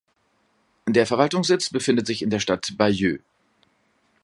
Der Verwaltungssitz befindet sich in der Stadt Bayeux.